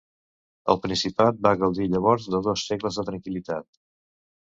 El principat va gaudir llavors de dos segles de tranquil·litat.